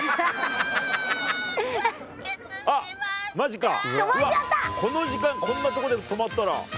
あっマジかこの時間こんなとこで止まったら。